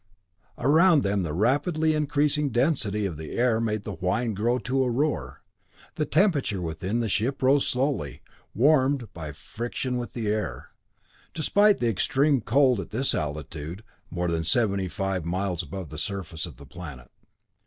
Around them the rapidly increasing density of the air made the whine grow to a roar; the temperature within the ship rose slowly, warmed by friction with the air, despite the extreme cold at this altitude, more than seventy five miles above the surface of the planet.